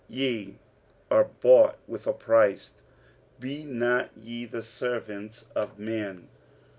46:007:023 Ye are bought with a price; be not ye the servants of men.